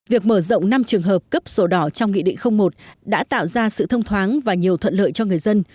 việc mở rộng năm trường hợp cấp sổ đỏ trong nghị định một đã tạo ra sự thông thoáng và nhiều thuận lợi cho người dân